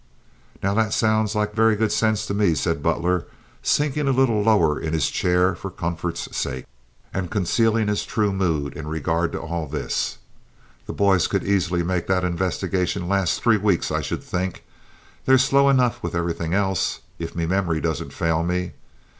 "Now that sounds like very good sense to me," said Butler, sinking a little lower in his chair for comfort's sake, and concealing his true mood in regard to all this. "The boys could easily make that investigation last three weeks, I should think. They're slow enough with everything else, if me memory doesn't fail me."